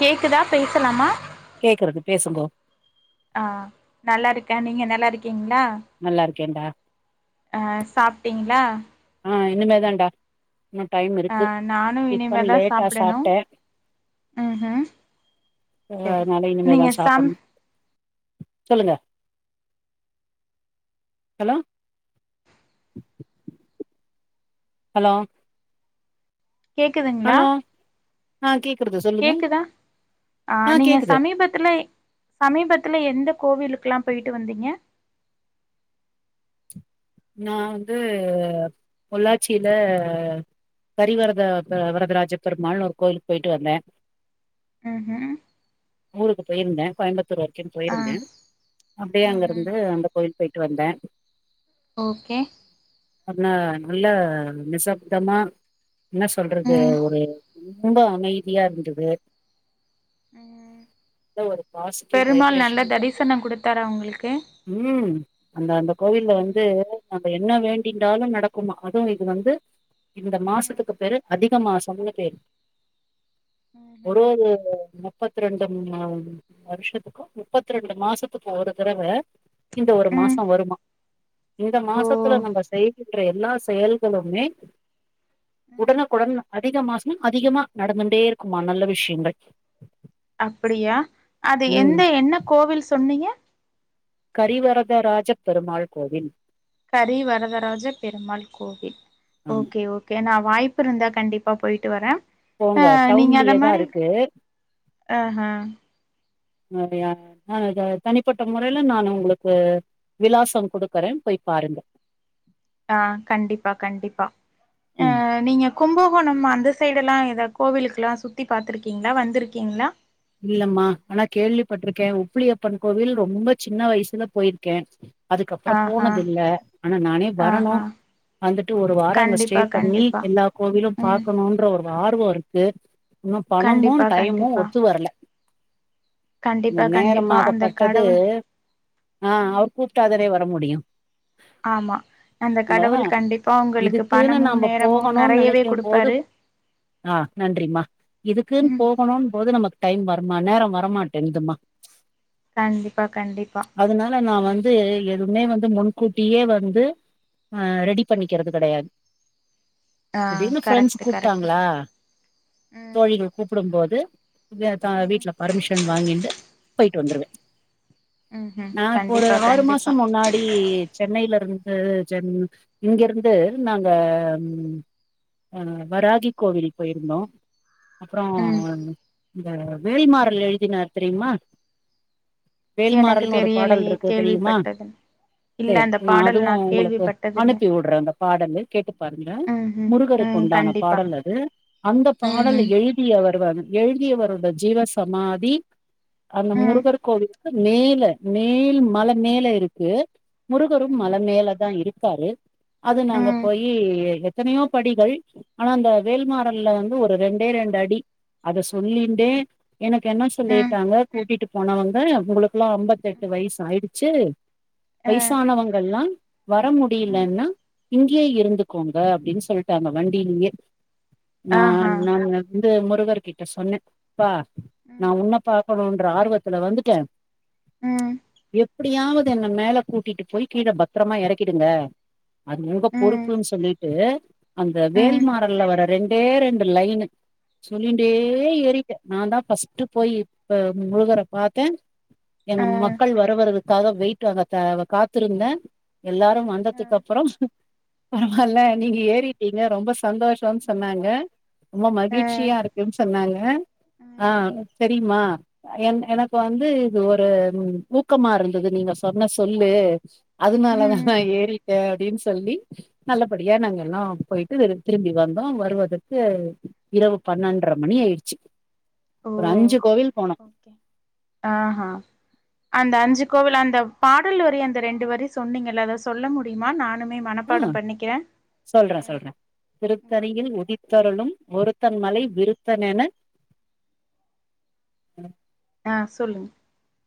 கேக்குதா பேசலாமா கேக்குறது பேசுங்கோ ஆ நல்லா இருக்கேன் நீங்க நல்லா இருக்கீங்களா நல்லா இருக்கேடா அ சாப்பட்டீங்களா ஆ இனிமே தான்டா இன்னும் டைம் ஆ இருக்கு நானு டிப்பன் இனிமேதா லேட்டா சாப்டணு சாப்பிட்டேன் ம் ம் சரி அஹனால நீங்க இனிமேதான் சம் சாப்பிடணும் சொல்லுங்க ஹலோ ஹலோ கேக்குதுங்களா ஆஹ கே கேக்குதா ஆ நீங்க கேக்குது சமீபத்துல சமீபத்து இல்ல எந்த கோவிலுக்கெல்லாம் போயிட்டு வந்தீங்க நான வந்து பொள்ளாச்சியில கரிவரத வரதராஜ பெருமாள்ளுனு ஒரு கோயிலுக்கு போயிட்டு வந்தேன் உம் உம் ஊருக்கு போயிருந்தேன் கோயம்புத்து வரைக்கும் ஆ போயிருந்தேன் அப்டியே ம் அங்க ம் இருந்து அந்த கோவிலுக்கு போயிட்டு வந்தேன் ஓகே அனா நல்ல நிசப்தமா என்ன சொல்றது ம் ஒரு ரொம்ப அமைதியா இருந்தது நல்ல ஒரு பாசிட்டிவ் பெருமாள் நல்ல தரிசனம் கொடுத்தாரா உங்களுக்கு உம் அந்த அந்த கோவில்ல வந்து ம் நம்ம என்ன வேண்டிடாலும் நடக்குமா அதுவும் இது வந்து இந்த ம் மாசத்துக்கு பேரு அதிக அ மாசங்க பேரு ஒரு ம்ஹும் முப்பத்த ரெண்டு வருஷத்துக்கும் முப்பத்து ரெண்டு மாசத்துக்கும் ஒரு தடவ இந்த ஒரு ம் மாசம் வருமா இந்த ஓ மாசத்துல நம்ம செய்கின்ற எல்லா செயல்களுமே ம் உடனுக்குடன் அதிக மாசம் அதிகமா நடந்துண்டே இருக்குமா நல்ல விஷயங்கள் அப்படியா அது ம். எந்த என்ன கோவில் சொன்னீங்க கரிவரதராஜப் பெருமாள் கோவில் கரி வரதராஜ பெருமாள் கோவில் ஆமா. ஓகே ஓகே நான வாய்ப்பு இருந்தா கண்டிப்பா போயிட்டு வரேன் போங்க டவுன்லயேதான் இருக்கு ஆஹ அஹ நான் தனிப்பட்ட முறையில நானு உங்களுக்கு விலாசம் கொடுக்குறே போய் பாருங்க ஆஹ கண்டிப்பா கண்டிப்பா ம் அஹ நீங்க கும்ப இப்ப நம்ம அந்த சைடு எல்லாம் ஏதா கோவிலுக்கு எல்லாம் சுத்தி பாாரத்துருக்கீங்களா வந்திருக்கீங்களா இல்லம்மா ஆனா கேள்விப்பட்டிருக்கே உப்புளியப்பன் கோவில் ரொம்ப சின்ன வயசுல போயிருக்கே அதுக்கப்புறம் ஆஹா போனதில்ல ஆனா நானே ஆஹா வரணும் வந்துட்டு ஒரு வாரம் அங்கு ஸ்டே கண்டிப்பா பண்ணி கண்டிப்பா எல்லா கோவிலும் ம் பார்க்கணும்ன்ற ஒரு ஆர்வம் இருக்கு இன்னும் பணமும் கண்டிப்பா டைமும் கண்டிப்பா ஒத்து ஒத்து வரல இந்த கண்டிப்பா கண்டிப்பா அந்த நேரமாகப்பட்டது கடவுள் ஆஹ் ம் அவர் கூிட்டாதனை வர [unintelligible] முடியும் ஆமா அந்த இப்போ கடவுள் கண்டிப்பா உங்களுக்கு இதுக்குனு பணமு நாம நேரமு போகணும்னு நெறையவே நினைக்கும்போது குடுப்பாரு ஆஹ நன்றிமா இதுக்குனு ம் போகணும்னு நமக்கு டைம் வருமா நேரம் வரமாட்டேன்துமா கண்டிப்பா கண்டிப்பா அதனால நான் வந்து முன்னே வந்து முன்கூட்டியே வந்து அஹ ரெடி பண்ணிக்கிறது கிடையாது ஆ திடீர்னு பிரண்ட்ஸ் கரெக்ட்டு கரெக்ட்டு தா கூப்பிட்டாங்களா ம் தோழிகள் கூப்பிடும் போது ம் வீட்டுல பர்மிஷன் வாங்கிட்டு போயிட்டு வந்துருவே ம்ஹும் நா இப்போ ஒரு கண்டிப்பா ஆறு கண்டிப்பா மாசம் முன்னாடி சென்னையில இருந்து இங்கிருந்து நாங்க அஹ வராகி கோவில் போயிருந்தோம் அப்புறம் ம் இந்த வேல்மார்ல எழுதினார் தெரியுமா எனக்கு வேல்மாறல் ஒரு பாடல் தெரியலையே இருக்கு தெரியுமா கேள்விப்பட்டது இல்ல சரி அந்த நா பாடல் அதுவும் உங்களுக்கு கேள்விப்பட்டதில்ல அனுப்பிவிடுறே அந்த பாடல கேட்டு பாருங்க ம்ஹும் முருகருக்கு ம் உண்டான கண்டிப்பா பாடல் அது அந்த பாடல் ம்ஹும் எழுதியவர் எழுதியவர் நம்ம ஜீவசமாதி அந்த ம் முருகருக்கு அடுத்து மேல மேல் மழை மேல இருக்கு முருகரும் மல ம் மேல தா இருக்கு இருக்காரு அது நாங்க ம் போயி எத்தனையோ படிகள் ஆனா அந்த வேல்மாறல்ல வந்து ஒரு ரெண்டே ரெண்டு அடி அத சொல்லி டே எனக்கு என்ன ம் சொல்லிட்டாங்க கூட்டிட்டு போனவங்க உங்களுக்கு எல்லாம் ஐம்பத்தெட்டு வயசு ஆயிடுச்சு ச்சிரி அ வயசானவங்களல்லாம் வர ம் முடியலன்னா இங்கேயே இருந்துக்கோங்க அப்டின்னு சொல்லிட்டாங்க வண்டியிலயே ஆஹா நான் [inaudible] முருகர் கிட்ட சொன்னேன் ப்பா நா ம் உன்ன பா போனன்ற ஆர்வத்துல வந்துட்டேன் ம் எ அப்டியாவது என்ன மேல கூட்டிட்டு போய் கீழ பத்தரமா இறக்கிடுங்க அது உங்க ம் பொறுப்பு சொல்லிட்டு அந்த ம் வேல்மாறல்ல வர ரெண்டு பேரெண்டு லைனு சொல்லுண்டே ஏறி நான தான் பஸ்ட் போய் இப்ப முருகரை பாத்தேன் எங்க அ மக்கள் வர வரவு க்காக வெயிட் வாங்க காத்திருந்தேன் எல்லாரும் அ வந்ததுக்கு அப்பறம் பரவால நீங்க ஏறிட்டீங்க ரொம்ப சந்தோஷம்னு சொன்னாங்க ரொம்ப மகிழ்ச்சியா இருக்குனு சொன்னாங்க ஆ செரிமா எனக்கு வந்து இது ஒரு ஊக்கமா இருந்தது நீங்க சொன்ன சொல்லு அதனால தான் நான ஏறி அப்டின்னு சொல்லி நல்லபடியா நாங்க எல்லாம் போயிட்டு திரும்பி வந்தோம் வருவதற்க இரவு பன்னெண்டரை மணி ஆயிடுச்சு ஓ ஒரு அஞ்சு கோவில் போனம் ஓகே ஆஹா அந்த அஞ்சு கோவில் அந்த பாடல் வரி அந்த ரெண்டு வரி சொன்னீங்கல்ல அத சொல்ல முடியுமா நானும் ஆ சொல்றேன் ம் சொல்றேன் ம் திருப்பதியில் உதித்தருளும் ஒருத்தன் மலை விருத்தன் என ஆ சொல்லுங்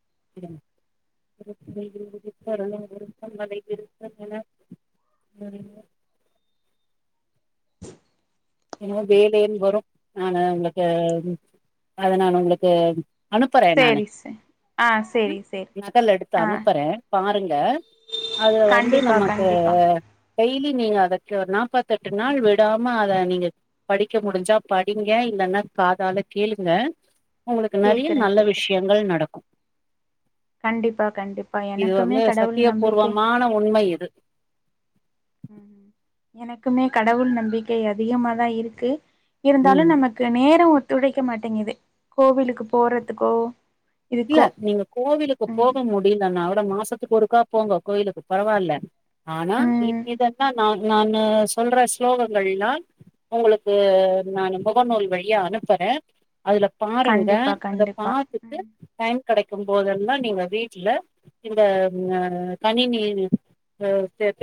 [inaudible] [inaudible] என்னமோ வேலன்னு வரும் நான உங்களுக்கு அத நான உங்களுக்கு அனுப்புறேன் நானு சேரி சே ஆ சேரி சேரி நகலெடுத்து எடுத்து ஆ அனுப்புறேன் பாருங்க அது வந்து கண்டிப்பா நமக்கு கண்டிப்பா டெய்லி நீங்க அதக்கு நாப்பத்த எட்டு நாள் விடாம அத நீங்க படிக்க முடிஞ்சா படிங்க இல்லன்னா காதால கேளுங்க உங்களுக்கு நெறைய கேக்குறே நல்ல கேக்குறே விஷயங்கள் நடக்கும் கண்டிப்பா கண்டிப்பா இது எனக்குமே வந்து கடவுள் நம்பிக்கை சத்தியபூர்வமான உண்மை இது எனக்குமே கடவுள் நம்பிக்கை அதிகமாதான் இருக்கு இருந்தாலும் ம் நமக்கு நேரம் துடைைக்க மாட்டேங்குது கோவிலுக்கு போறதுக்கோ இல்ல இதுக்கோ நீங்க கோவிலுக்கு ம் போக முடியல நா அ மாசத்து கொருக்கா போங்க கோயிலுக்கு பரவால்ல ஆனா இ ம் இதன்ன நான நானு சொல்ற ஸ்லோகங்கல்லாம் உங்களுக்கு நான முகநூல் வழிய அனுப்பறேன் அதுல பாருங்க கண்டிப்பா அத கண்டிப்பா பாத்துட்டு ம் கெடைக்கும் போது தான் நீங்க வீட்டுல இந்த கணினி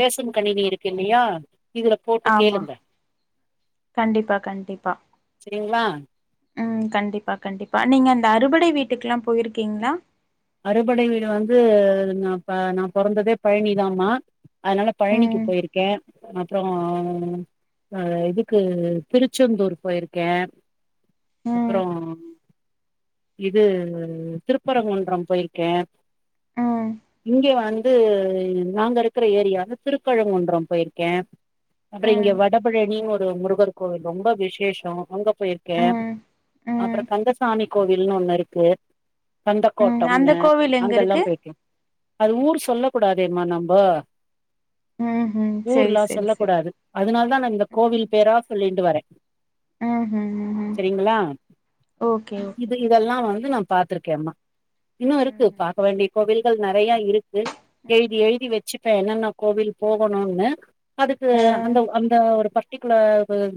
பேசும் கணினி இருக்கு இல்லயா இதுல போட்டு ஆமா கேளுங்க கண்டிப்பா செரிங்களா உம் கண்டிப்பா கண்டிப்பா நீங்க இந்த அறுபடை வீட்டுக்குெல்லாம் போயிருக்கீங்களா அறுபடை வீடு வந்து ந நான பெறந்ததே பழனிதாம்மா அதனால பழனிக்கு ம் போயிருக்கேன் அப்பறம் அ இதுக்கு திருச்செந்தூர் போயிருக்கேன் ம் அப்பறம் இது திருப்பரங்குன்றம் போயிருக்கேன் ம் இங்க வந்து நாங்கள் இருக்கிற ஏரியாவில் திருக்கழுங்குன்றம் போயிருக்கேன் அப்பறம் ம் இங்கே வடபழனின்னு ஒரு முருகர் கோவில் ரொம்ப விசேஷம் அங்கே போயிருக்கேன் ம் ம் அப்புறம் கந்தசாமி கோவில்னு ஒன்னு இருக்கு கந்த ம் அந்த கோவில் எங்க இருக்கு அது ஊர் சொல்ல கூடாதேம்மா நம்ப ம் ம் செரி ஊர்லாம் செரி சொல்லக்க செரி கூடாது அதனால தான் நான இந்த ம் கோவில் பேரா சொல்லி டுவரேன் ம் ம் ம் செரிங்களா ஓகே ஓகே இது இதெல்லாம் வந்து நான பாத்துருக்கேன்ம்மா இன்னும் ம் இருக்கு பாக்க ம் வேண்டிய கோவில் நெறைய இருக்கு எழுதி ம் எழுதி வச்சு இப்ப என்னன்ன கோவில் போகணும்னு அதுக்கு அ அந்த அந்த ஒரு க்குல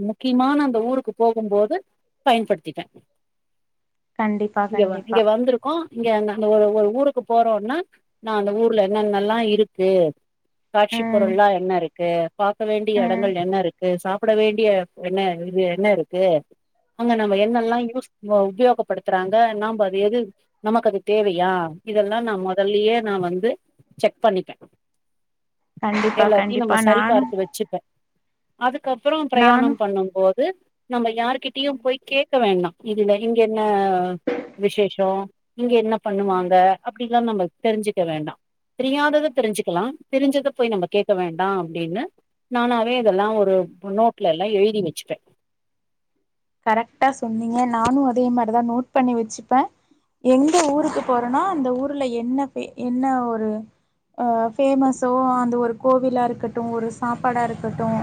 முக்கியமான அந்த ஊருக்கு போகும்போது பயன்படுத்திட்டேன் கண்டிப்பா இங்க கண்டிப்பா இங்க வந்திருக்கோம் இங்க அ அந்த ஒரு ஊருக்கு போறோம்ன்னா நான அந்த ஊர்ல என்னென்னல்லாம் இருக்கு காட்சி ம் பொருள்ல்லாம் என்ன இருக்கு பர்க்க வேண்டிய ம் இடங்கள் என்ன இருக்கு சாப் அப்பட வேண்டிய என்ன இது என்ன இருக்கு அங்க நாம்ம என்னெல்லாம் யூஸ் ஒ உபயோகப்படுத்துறாங்க நாம அது எது நமக்கு அது தேவையா இதெல்லாம் நான் முதல்லய நான் வந்து செக் பண்ணிப்பேன் கண்டிப்பா கண்டிப்பா நானும் அது அதுக்கப்பறம் பிரயாணம் பண்ணும் போது நம்ம யா்கிட்டயும் ம் போய்க்கே இரு வேண்டாம் இதுல இங்க என்ன விசயஷோம் நீங்க என்ன பண்ணுவாங்க ம் அப்படில்லாம் நம்ம தெரிஞ்சுக்க வேண்டாம் தெரியாததை தெரிஞ்சுக்கலாம் தெரிஞ்சதை போய் நம்ம கேட்க வேண்டாம் அப்டின்னு நானாவே இதெல்லாம் ஒரு நோட்ல எல்லாம் எழுதி வச்சுப்பேன் கரெக்ட்டா சொன்னீங்க நானும் அதே மாதிரிதான் நோட் பண்ணி வச்சுப்பேன் எங்க ஊருக்கு போறேனா அந்த ஊர்ல என்ன பே என்ன ஒரு அ பேமஸ்ஸோஅந்த ஒரு கோவிலா இருக்கட்டும் ஒரு சாப்பாடா இருக்கட்டும்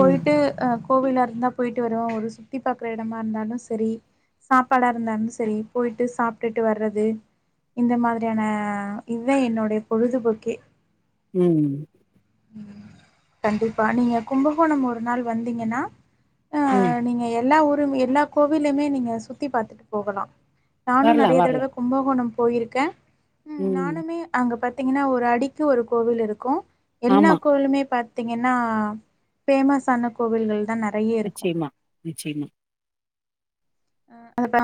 ம் அ கோவில இருந்த போயிட்டு வருவோம் ஒரு சு சுத்தி பாகுற இடமா இருந்தாலும் சரி சாப்பாடா இருந்தாலும் சரி போயிட்டு சாப்பட்டுட்டு வர்றது இந்த மாரியான இதுதான் என்னுடைய பொழுதுபோக்கே ம் கண்டிப்பா நீங்க கும்பகோணம் ஒரு நாள் வந்தீங்கன்னா ஆ ம் நீங்க எல்லா ஊர் எல்லா கோவிலயுமே நீங்க சுத்தி பாத்துட்டு போகலாம் நானும் வரலா நெறைய வரலா தடவை கும்பகோணம் போயிருக்கேன் ம் நானுமே அங்க பத்தி பாத்தீங்கன்னா ஒரு அடிக்கு ஒரு கோவில் இருக்கும் எல்லா ஆமா கோயிலுமே ப பத்தீங்கன்னா பேமஸ்சான கோவில்கள் தான் நெறைய இருக்கு நிச்சயமா நிச்சயமா அ அப்ப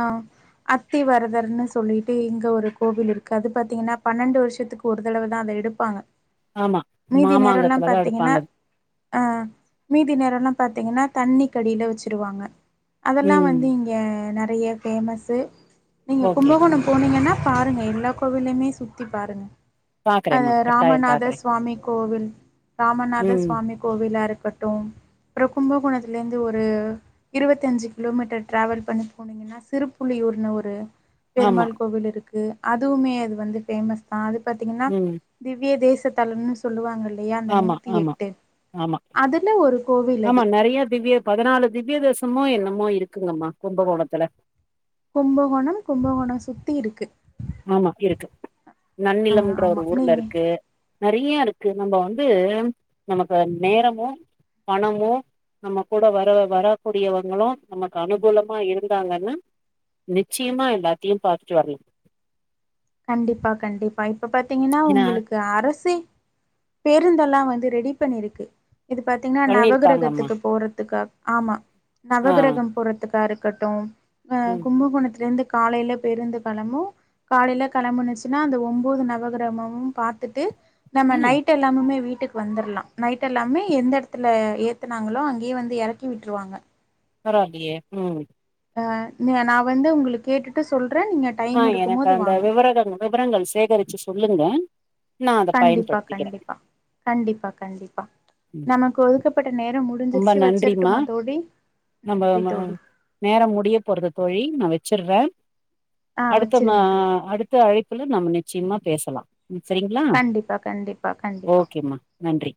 அத்திவரதர்ன்னு சொல்லிட்டு இங்க ஒரு கோவில் இருக்கு அது பாத்தீங்கன்னா பன்னெண்டு வருஷத்துக்கு ஒரு தடவதான் அத எடுப்பாங்க ஆமா மீதி நேரம்ல்லாம் மாமாங்கத்துலதா பாத்தீங்கன்னா எடுப்பாங்க அ மீதி நேரம்ல்லாம் பாத்தீங்கன்னா தண்ணி கடியில் வச்சுருவாங்க அதெல்லாம் ம் வந்துங்க நெறைய ஃபேமஸ்ஸு நீங்க ஓகே கும்பகோணம் போனீங்கன்னா பாருங்க எல்லா கோவில்லியுமே சுத்தி பாருங்க ஹா பாக்குறேம்மா கட்டாயம் ராமநாத பாக்குறே சுவாமி கோவில் ராமநாத ம் சுவாமி கோவிலா இருக்கு கட்டும் அப்றம் கும்பகோணத்தில இருந்து ஒரு இருவத்தஞ்சி கிலோமீட்டர் ட்ராவல் பண்ணி போனிங்கன்னா சிருப்புள்ளியூர்னு ஒரு ஆமா பெருமாள் கோவில் இருக்கு அதுவுமே அது வந்து பேமஸ் தான் அது பாத்தீங்கன்னா ம் திவ்ய தேஸ் தல்லுன்னு சொல்லுவாங்கள ஆமா ஆமா ஆமா அதுல ஒரு கோவில் ஆமா அது நெறைய திவ்ய பதினாலு திவ்யதேசமும் என்ன என்னமொ இருக்குங்கம்மா கும்பகோணத்துல கும்பகோணம் கும்பகோணம் சுத்தி இருக்கு ஆமா இருக்கு ஆ நன்னிலம்ன்ற ஒரு ஆமா ஊர்ல நீங்க இருக்கு ந நெறையா இருக்கு நம்ம வந்து நமக்கு நேரமும் பணமும் நம்ம கூட வர வரக்கூடியவங்களும் நமக்கு அனுகூலமா இருந்தாங்கன்னு நிச்சயமா எல்லாத்தையும் பாத்துட்டு வரலாம் கண்டிப்பா கண்டிப்பா இப் இப்ப பாத்தீங்கன்னா ஏன்னா உங்களுக்கு அரசு பேருந்தெல்லாம் வந் வந்து ரெடி பண்ணிருக்கு இது பார்த்தீங்கன்னா பண்ணிருக்காங்கம்மா நவகிரகத்துக்கு போறதுக்காக ஆமா ஆ நவகிரகம் போறதுக்காக இருக் கட்டும் ஆ ம் கும்பகோணத்தல இருந்து காலையில பேருந்து களமும் காலையில கிளம்பனுச்சுன்னா அந்த ஒன்பது நவகிரமமும் பாத்துட்டு நம்ம ம் நைட் எல்லாமமே வீட்டுக்கு வந்துடலாம் நைட் எல்லாமே எந்த இடத்துல ஏத்துனாங்களோ அங்கேயே வந்து இறக்கி விட்டுருவாங்க பரவாலியே ம் நான் வந்து உங்களுக்கு கேட்டுட்டு சொல்றே நீங்க ஆ டைம் இருக்கும் எனக்கு போது அந்த வாங்க விவரங்கள் விவரங்கள் சேகரிச்சு சொல்லுங்க நா அத கண்டிப்பா பயன்படுத்திக்கிறே கண்டிப்பா கண்டிப்பா கண்டிப்பா ம் நமக்கு ஒதுக்கப்பட்ட நேரம் முழுவதும் ரொம்ப நன்றிமா நம்ம நன்றி தோழி நேரம் முடிய போறது தோழி நான வச்சிருறேன் ஆ அடுத்த மா வச்சிருங்க தோழி அடுத்த அழப் ள்ள நம்ம நிச்சயமா பேசலாம் செரிங்களா கண்டிப்பா கண்டிப்பா கண்டிப்பா ஓகேம்மா நன்றி